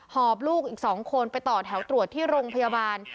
อบลูกอีก๒คนไปต่อแถวตรวจที่โรงพยาบาล